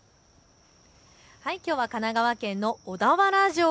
きょうは神奈川県の小田原城。